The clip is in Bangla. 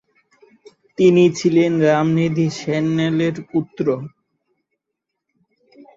তিনি ছিলেন রামনিধি সান্যালের পুত্র।